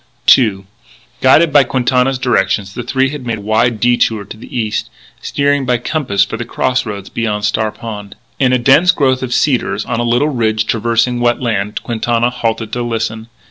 II Guided by Quintana's directions, the three had made a wide detour to the east, steering by compass for the cross roads beyond Star Pond. In a dense growth of cedars, on a little ridge traversing wet land, Quintana halted to listen.